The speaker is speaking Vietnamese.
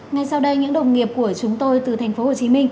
ngay sau đây những đồng nghiệp của chúng tôi từ tp hcm